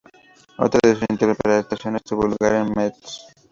Otra de sus interpretaciones tuvo lugar en "Mrs.